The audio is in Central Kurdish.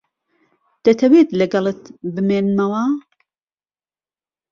دەتەوێت لەگەڵت بمێنمەوە؟